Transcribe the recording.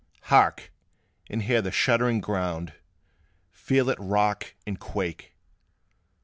"Hark, and hear the shuddering ground! Feel it rock and quake!